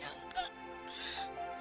seperti apa nih